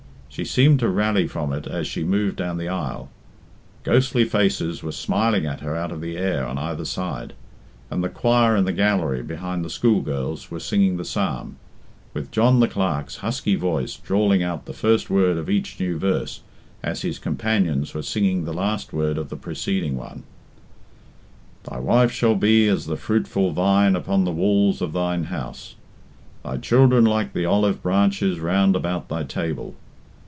She seemed to rally from it as she moved down the aisle. Ghostly faces were smiling at her out of the air on either side, and the choir in the gallery behind the school girls were singing the psalm, with John the Clerk's husky voice drawling out the first word of each new verse as his companions were singing the last word of the preceding one "Thy wife shall be as the fruitful vine upon the walls of thine house; Thy children like the olive branches round about thy table.